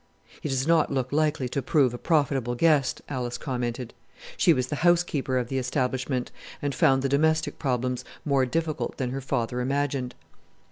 "He does not look likely to prove a profitable guest," Alice commented. She was the housekeeper of the establishment and found the domestic problems more difficult than her father imagined.